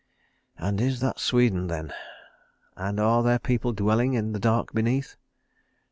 "And is that Sweden then? And are there people dwelling in the dark beneath?